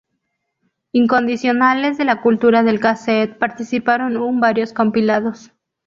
Incondicionales de la cultura del casete, participaron un varios compilados.